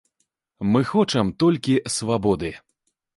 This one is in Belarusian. Мы хочам толькі свабоды.